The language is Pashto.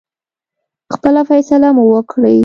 خپله فیصله مو وکړی.